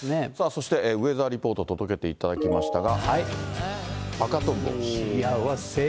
そしてウェザーリポート、届けていただきましたが。